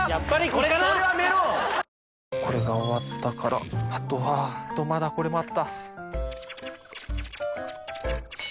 これが終わったからあとはまだこれもあった。